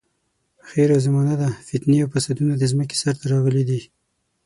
اخره زمانه ده، فتنې او فسادونه د ځمکې سر ته راغلي دي.